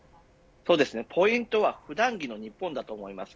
ポイントは普段着の日本だと思います。